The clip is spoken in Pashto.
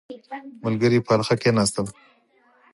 • ملګري په حلقه کښېناستل.